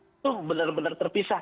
itu benar benar terpisah